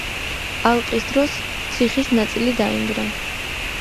ალყის დროს ციხის ნაწილი დაინგრა.